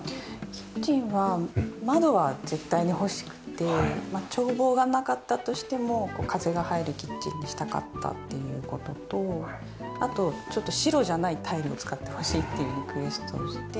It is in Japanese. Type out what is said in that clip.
キッチンは窓は絶対に欲しくて眺望がなかったとしても風が入るキッチンにしたかったっていう事とあと白じゃないタイルを使ってほしいっていうリクエストをして。